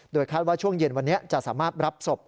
คาดว่าช่วงเย็นวันนี้จะสามารถรับศพ